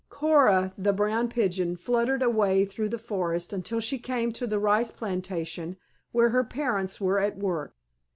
Coora the Ground Pigeon fluttered away through the forest until she came to the rice plantation where her parents were at work.